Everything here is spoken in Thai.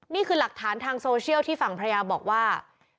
นี่คือหลักฐานทางโซเชียลที่ฝั่งภรรยาบอกว่า